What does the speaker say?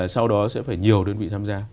sau đó sẽ phải nhiều đơn vị tham gia